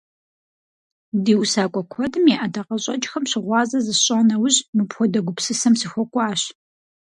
Ди усакӀуэ куэдым я ӀэдакъэщӀэкӀхэм щыгъуазэ зысщӀа нэужь, мыпхуэдэ гупсысэм сыхуэкӀуащ.